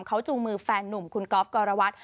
เข้าจูงมือแฟนนุ่มคุณกอล์ฟกอล์ราวัส